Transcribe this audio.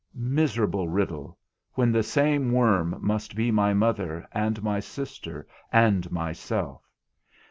Miserable riddle, when the same worm must be my mother, and my sister and myself!